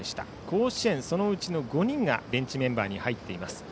甲子園では、そのうちの５人がベンチメンバーに入っています。